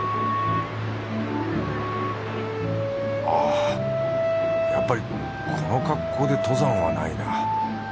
あぁやっぱりこの格好で登山はないな。